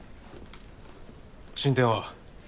進展は？